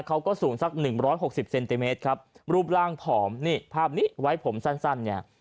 เขาก็สูงสักหนึ่งร้อยหกสิบเซนติเมตรครับรูปร่างผอมนี่ภาพนี้ไว้ผมสั้นสั้นเนี่ย